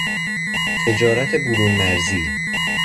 تجارت برونمرزی